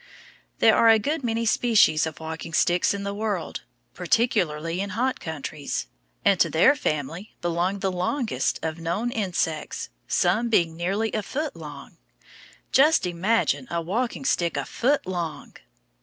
There are a good many species of walking sticks in the world, particularly in hot countries; and to their family belong the longest of known insects, some being nearly a foot long. Just imagine a walking stick a foot long!